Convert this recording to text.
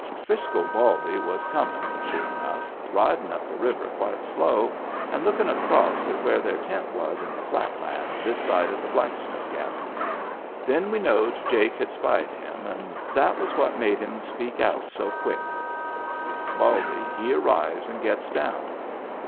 Frisco Baldy was comin', sure enough, ridin* up the river quite slow, and lookin' acrost at where their tent was in the flat land this side o' the blacksmith's cabin. Then we knowed Jake had spied him and that was what made him speak out so quick. Baldy he arrives and gets down.